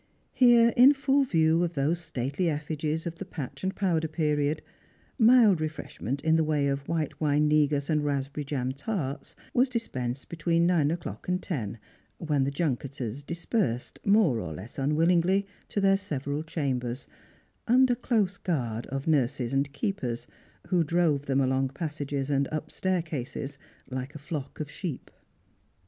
Here, in full view of those stately effigies of the patch and powder joeriod, mild refreshment in the way of white wine negu» and raspbeiry jam tarts was dispensed between nine o'cLjck and ten; when the junketers dispersed more or less unwillingly to their several chambers, under close guard of nurses and keepers, who drovti them along passages and up staircases Uke a flock of sheep. 354 Strangers and Pilgrims.